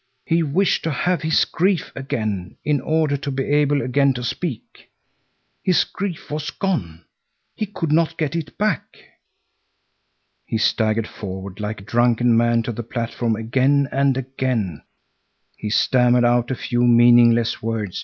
He wished to have his grief again in order to be able again to speak. His grief was gone; he could not get it back. He staggered forward like a drunken man to the platform again and again. He stammered out a few meaningless words.